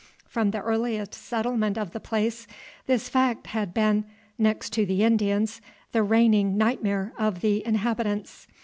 From the earliest settlement of the place, this fact had been, next to the Indians, the reigning nightmare of the inhabitants.